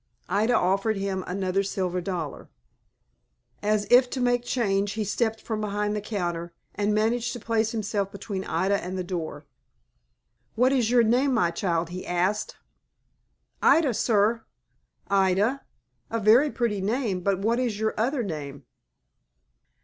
Ida offered him another silver dollar. As if to make change, he stepped from behind the counter, and managed to place himself between Ida and the door. "What is your name, my child?" he asked. "Ida, sir." "Ida? A very pretty name; but what is your other name?"